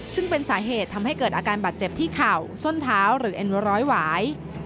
ซึ่งเป็นสาเหตุทำให้เกิดอาการบาดเจ็บที่เข่าส้นเท้าหรือเอ็นเวอร์ร้อยหวาย